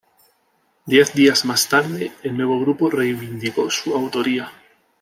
Diez días más tarde el nuevo grupo reivindicó su autoría.